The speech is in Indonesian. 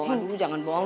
aduh jangan bohong